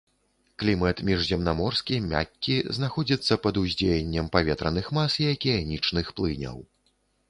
Клімат міжземнаморскі мяккі знаходзіцца пад уздзеяннем паветраных мас і акіянічных плыняў.